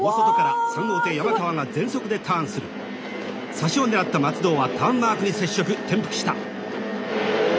差しを狙った松戸はターンマークに接触転覆した。